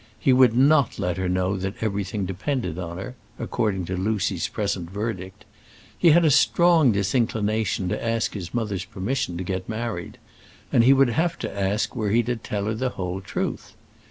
He would not let her know that everything depended on her according to Lucy's present verdict. He had a strong disinclination to ask his mother's permission to get married; and he would have to ask it were he to tell her the whole truth.